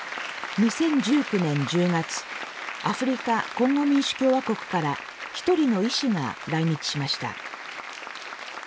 ２０１９年１０月アフリカ・コンゴ民主共和国から１人の医師が来日しました。